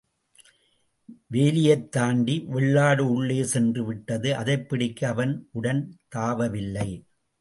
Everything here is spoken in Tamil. வேலியைத் தாண்டி வெள்ளாடு உள்ளே சென்று விட்டது அதைப் பிடிக்க அவன் உடன் தாவவில்லை.